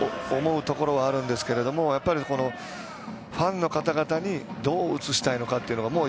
思うところはあるんですけれどもファンの方々にどう映したいのかというのが。